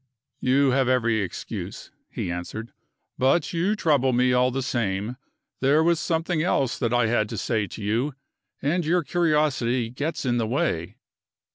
"You have every excuse," he answered. "But you trouble me all the same. There was something else that I had to say to you and your curiosity gets in the way."